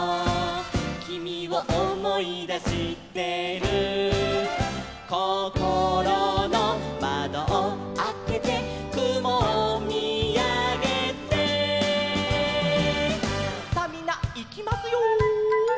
「君を思い出してる」「こころの窓をあけて」「雲を見あげて」さあみんないきますよ。